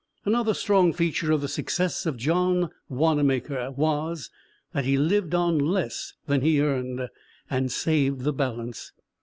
Another strong feature of the success of John Wannamaker was, he lived on less than he earned, and saved the balance.